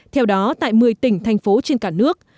theo đó tại một mươi tỉnh thành phố trên cả nước